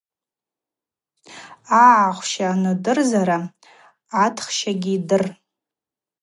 Агӏахвща анудыруазара атхщагьи дыр.